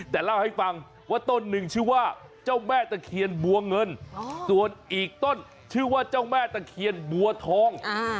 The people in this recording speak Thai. แต่เล่าให้ฟังว่าต้นหนึ่งชื่อว่าเจ้าแม่ตะเคียนบัวเงินส่วนอีกต้นชื่อว่าเจ้าแม่ตะเคียนบัวทอง